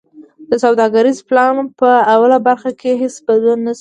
د سوداګریز پلان په اوله برخه کی هیڅ بدلون نشته.